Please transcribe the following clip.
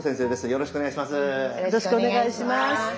よろしくお願いします。